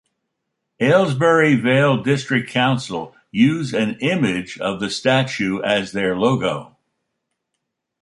Aylesbury Vale District Council use an image of the statue as their logo.